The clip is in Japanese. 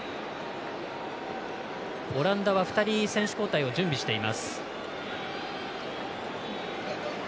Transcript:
オランダは２人選手交代を準備しています。